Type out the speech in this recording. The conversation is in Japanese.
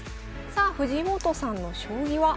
さあ藤本さんの将棋は？